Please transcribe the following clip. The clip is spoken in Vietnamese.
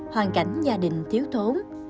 hoàn cảnh gia đình thiếu thốn